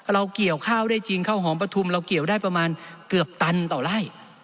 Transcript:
เกี่ยวข้าวได้จริงข้าวหอมปฐุมเราเกี่ยวได้ประมาณเกือบตันต่อไล่